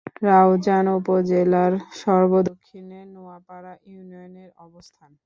রাউজান উপজেলার সর্ব-দক্ষিণে নোয়াপাড়া ইউনিয়নের অবস্থান।